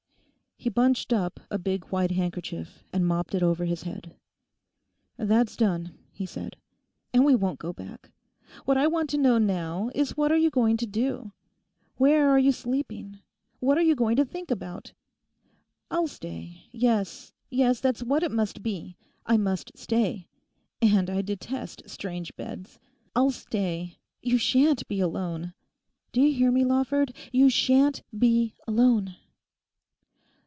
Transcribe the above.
He bunched up a big white handkerchief and mopped it over his head. 'That's done,' he said, 'and we won't go back. What I want to know now is what are you going to do? Where are you sleeping? What are you going to think about? I'll stay—yes, yes, that's what it must be: I must stay. And I detest strange beds. I'll stay, you sha'n't be alone. Do you hear me, Lawford?—you sha'n't be alone!